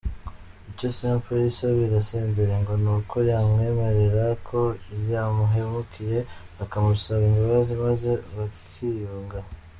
Icyo Simple yisabira Senderi ngo ni uko yamwemerera ko yamuhemukiye akamusaba imbabazi maze bakiyunga.